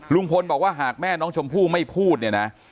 ลุงพลบอกว่าหากแม่น้องชมพู่ไม่พูดเนี่ยนะ